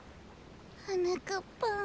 はなかっぱん。